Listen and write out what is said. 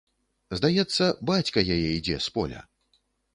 Здаецца, бацька яе ідзе з поля!